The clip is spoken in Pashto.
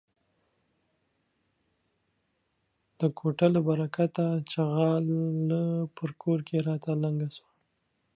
د کوټه له برکته ،چغاله په کور کې راته لنگه سوه.